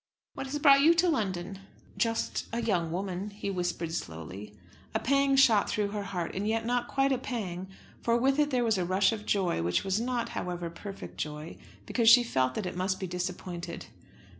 What has brought you to London?" "Just a young woman," he whispered slowly. A pang shot through her heart; and yet not quite a pang, for with it there was a rush of joy, which was not, however, perfect joy, because she felt that it must be disappointed.